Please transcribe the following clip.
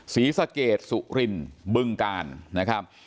ศรีสะเกดสุรินบึงกาลนะครับ